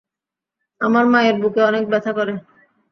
আমার মায়ের বুকে অনেক ব্যথা করে।